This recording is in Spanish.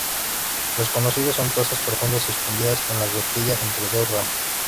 Los conocidos son tazas profundas suspendidas en la horquilla entre dos ramas.